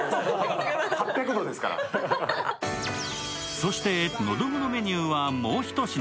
そしてのどぐろメニューはもうひと品。